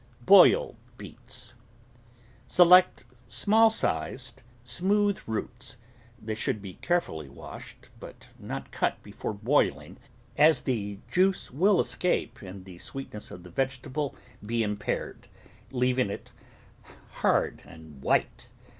BOILED BEETS Select small sized, smooth roots. They should be carefully washed, but not cut before boiling, as the juice will escape and the sweetness of the vegetable be impaired, leaving it hard and white.